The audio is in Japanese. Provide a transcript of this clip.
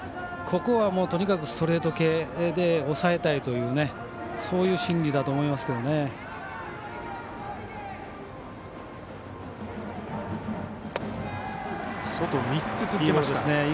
ここは、とにかくストレート系で抑えたいというそういう心理だと思いますけどね。